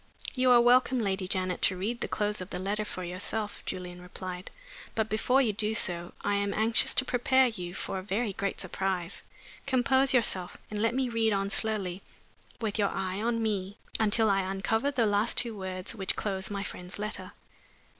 "You are welcome, Lady Janet, to read the close of the letter for yourself," Julian replied. "But before you do so I am anxious to prepare you for a very great surprise. Compose yourself and let me read on slowly, with your eye on me, until I uncover the last two words which close my friend's letter."